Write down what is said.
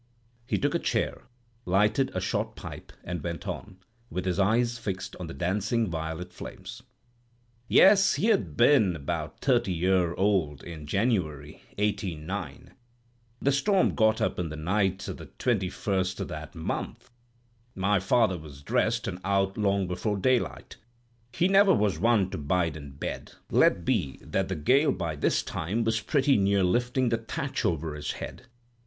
He took a chair, lighted a short pipe, and went on, with his eyes fixed on the dancing violet flames: "Yes, he'd ha' been about thirty year old in January, eighteen 'nine. The storm got up in the night o' the twenty first o' that month. My father was dressed and out long before daylight; he never was one to bide in bed, let be that the gale by this time was pretty near lifting the thatch over his head.